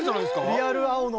リアル青野。